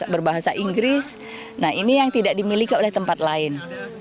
berbahasa inggris nah ini yang tidak dimiliki oleh tempat lain